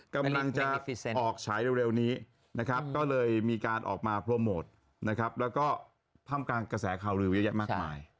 กำลังจะออกฉายเร็วนี้นะครับก็เลยมีการออกมาโปรโมทนะครับแล้วก็ท่ามกลางกระแสข่าวลือเยอะแยะมากมาย